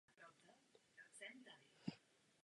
Producentem byl Rick Rubin.